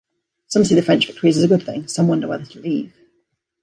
Some see the French victories as a good thing, some wonder whether to leave.